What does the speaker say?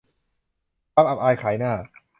ความอับอายขายหน้า